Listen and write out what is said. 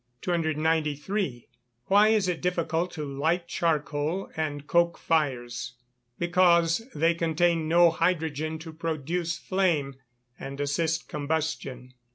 293. Why is it difficult to light charcoal and coke fires? Because they contain no hydrogen to produce flame, and assist combustion.